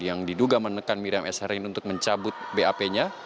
yang diduga menekan miriam s hari ini untuk mencabut bap nya